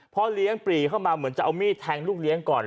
พ่อเลี้ยงปรีเข้ามาเหมือนจะเอามีดแทงลูกเลี้ยงก่อน